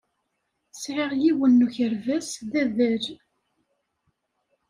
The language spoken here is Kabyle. Sɛiɣ yiwen n ukerbas d adal.